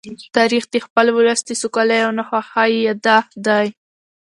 تاریخ د خپل ولس د سوکالۍ او ناخوښۍ يادښت دی.